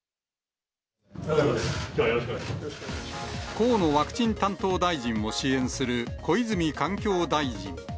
河野ワクチン担当大臣を支援する、小泉環境大臣。